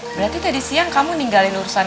berarti tadi siang kamu ninggalin urusan